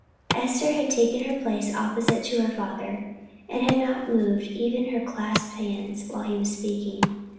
Esther had taken her place opposite to her father, and had not moved even her clasped hands while he was speaking.